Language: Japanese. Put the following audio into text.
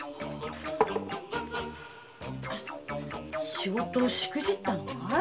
仕事しくじったのかい？